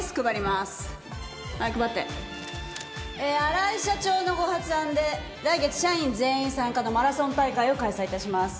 荒井社長のご発案で来月社員全員参加のマラソン大会を開催致します。